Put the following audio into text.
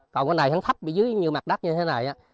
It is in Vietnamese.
còn cái này hắn thấp dưới như mặt đất như thế này